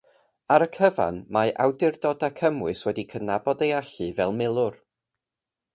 Ar y cyfan, mae awdurdodau cymwys wedi cydnabod ei allu fel milwr.